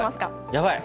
やばい！